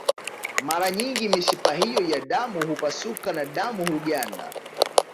Mara nyingi mishipa hiyo ya damu hupasuka na damu huganda